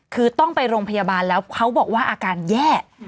คือต้องไปโรงพยาบาลแล้วเขาบอกว่าอาการแย่